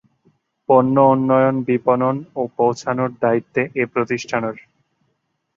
পণ্য উন্নয়ন, বিপণন ও পৌঁছানোর দায়িত্বে এ প্রতিষ্ঠানের।